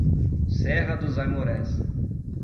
Serra dos Aimorés